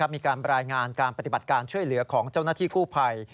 มีการรายงานการปฏิบัติการช่วยเหลือของเจ้าหน้าที่กู้ภัย